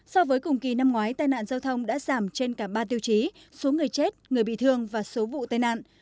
so với cùng kỳ năm ngoái tai nạn giao thông đã giảm trên cả ba tiêu chí số người chết người bị thương và số vụ tai nạn